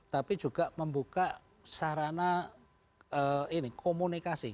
tapi juga membuka sarana komunikasi